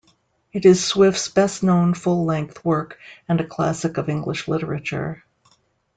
It is Swift's best known full-length work, and a classic of English literature.